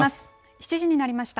７時になりました。